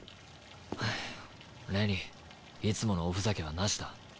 はぁレニーいつものおふざけはなしだ。